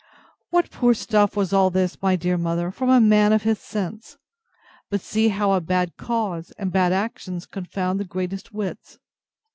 What poor stuff was all this, my dear mother, from a man of his sense! But see how a bad cause and bad actions confound the greatest wits!